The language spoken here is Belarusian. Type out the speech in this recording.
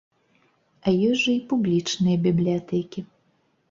А ёсць жа і публічныя бібліятэкі.